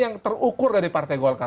yang terukur dari partai golkar